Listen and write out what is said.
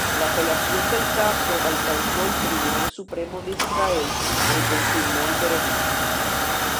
La apelación del caso alcanzó el Tribunal Supremo de Israel, que confirmó el veredicto.